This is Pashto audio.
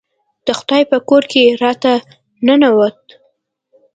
د خدای په کور کې راته ننوتو.